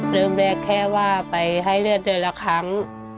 เริ่มแรกแค่ว่าไปให้เลือดเดือนละครั้ง